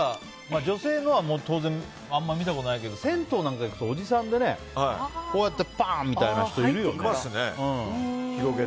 女性のはあんまり見たことないけど銭湯行くとおじさんがバン！みたいな人いるよね。